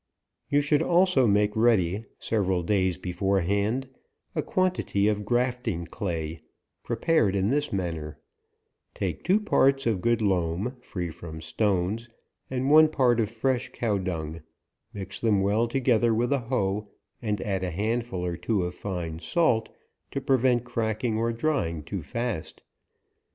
You should also make ready, several days before hand, a quantity of grafting clay, prepared in this manner :— Take two parts of good loam, free from stones, and one part of fresh cow dung ; mix them well together with a hoe, and add a handful or two of fine salt, to prevent cracking, or drying too fast.